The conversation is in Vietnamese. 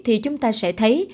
thì chúng ta sẽ thấy